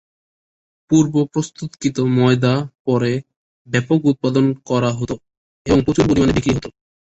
পূর্ব-প্রস্ত্ততকৃত ময়দা পরে ব্যাপক উৎপাদন করা হতো এবং প্রচুর পরিমাণে বিক্রি হতো।